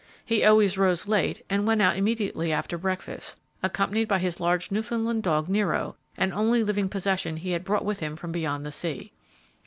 He always rose late, and went out immediately after breakfast, accompanied by his large Newfoundland dog Nero, the only living possession he had brought with him from beyond the sea.